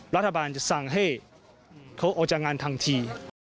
รัฐบาลจะสั่งให้เขาออกจากงานทันที